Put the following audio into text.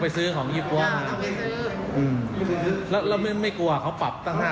แปลงทีแรกตามส่วนของขายถูกมาได้เลย